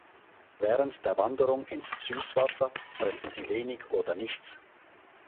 Während der Wanderung ins Süßwasser fressen sie wenig oder nichts.